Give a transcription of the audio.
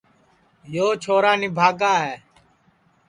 یو چھورا نِبھاگا ہے